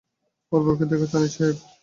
ওর বরকে দেখেছ, আনিস সাহেব?